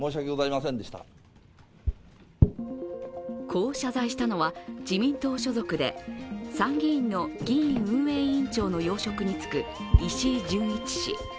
こう謝罪したのは自民党所属で参議院の議院運営委員長の要職に就く石井準一氏。